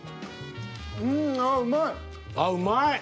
ああうまい！